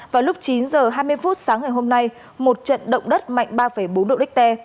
vào lúc chín h hai mươi phút sáng ngày hôm nay một trận động đất mạnh ba bốn độ richter